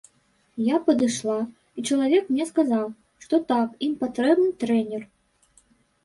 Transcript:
Я падышла, і чалавек мне сказаў, што так, ім патрэбны трэнер.